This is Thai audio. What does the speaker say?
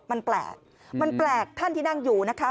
มันแปลกท่านที่นั่งอยู่นะฮะ